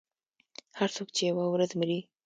• هر څوک چې یوه ورځ مري.